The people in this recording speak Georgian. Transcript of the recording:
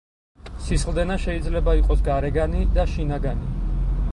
სისხლდენა შეიძლება იყოს გარეგანი და შინაგანი.